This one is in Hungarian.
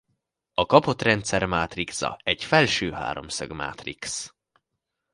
A kapott rendszer mátrixa egy felső-háromszög mátrix.